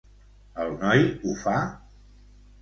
El noi ho fa?